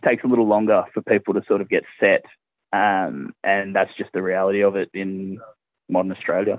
dan itu hanya realitinya di australia modern